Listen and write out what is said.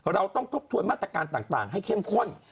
เราต้องทบทวนมาตรการต่างให้เข้มข้น